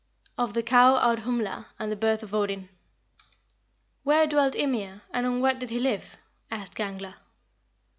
OF THE COW AUDHUMLA, AND THE BIRTH OF ODIN. 6. "Where dwelt Ymir, and on what did he live?" asked Gangler.